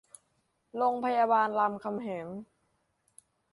โรงพยาบาลรามคำแหง